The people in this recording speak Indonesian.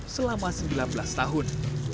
selama sembilan belas tahun